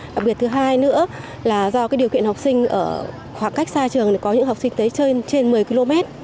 đặc biệt thứ hai nữa là do điều kiện học sinh ở khoảng cách xa trường có những học sinh tới trên một mươi km